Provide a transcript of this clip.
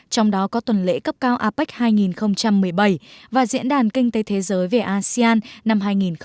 trong đó có tuần lễ cấp cao apec hai nghìn một mươi bảy và diễn đàn kinh tế thế giới về asean năm hai nghìn một mươi tám